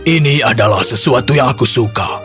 ini adalah sesuatu yang aku suka